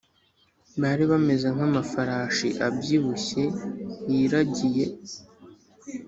Bari bameze nk amafarashi abyibushye yiragiye